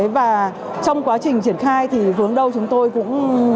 và trong quá trình triển khai thì vướng đâu chúng tôi cũng